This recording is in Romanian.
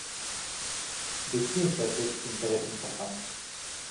De ce este acest interes important?